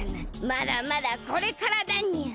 まだまだこれからだにゅう！